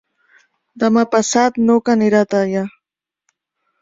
Demà passat n'Hug anirà a Teià.